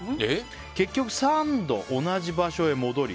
結局３度、同じ場所へ戻り